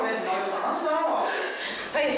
はい。